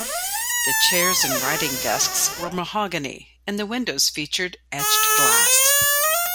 The chairs and writing desks were mahogany, and the windows featured etched glass.